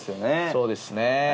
そうですね。